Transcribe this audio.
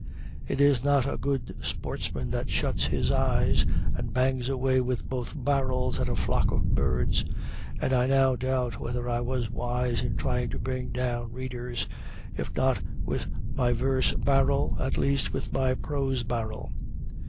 It is not a good sportsman that shuts his eyes and bangs away with both barrels at a flock of birds, and I now doubt whether I was wise in trying to bring down readers, if not with my verse barrel, at least with my prose barrel.